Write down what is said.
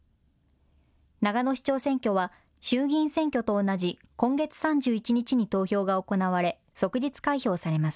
長野市長選挙は、衆議院選挙と同じ今月３１日に投票が行われ、即日開票されます。